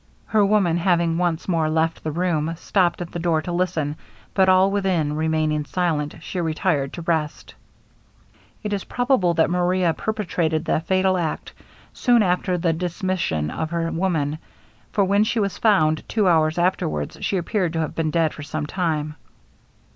Her woman having once more left the room, stopped at the door to listen, but all within remaining silent, she retired to rest. It is probable that Maria perpetrated the fatal act soon after the dismission of her woman; for when she was found, two hours afterwards, she appeared to have been dead for some time.